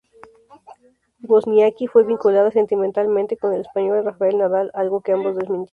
Wozniacki fue vinculada sentimentalmente con el español Rafael Nadal, algo que ambos desmintieron.